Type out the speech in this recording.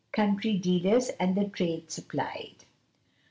Country Dealers and the Trade supplied.